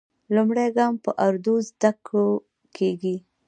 لومړی ګام په اردو زده کېږي.